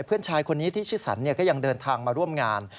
เพื่อนชายคนนี้ที่ชื่อสันก็ยังเดินทางมาร่วมงาน